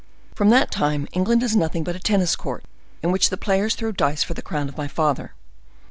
"From that time England is nothing but a tennis court, in which the players throw dice for the crown of my father.